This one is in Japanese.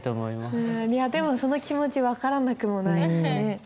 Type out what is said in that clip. いやでもその気持ち分からなくもない。